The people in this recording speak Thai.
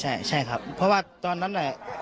ใช่ใช่ครับเพราะว่าตอนนั้นน่ะ